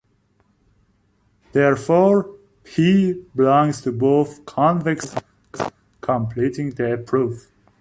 Therefore, "p" belongs to both convex hulls, completing the proof.